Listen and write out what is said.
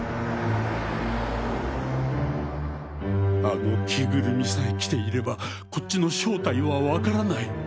あの着ぐるみさえ着ていればこっちの正体はわからない。